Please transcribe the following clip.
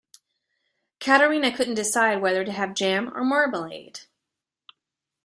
Katerina couldn't decide whether to have jam or marmalade.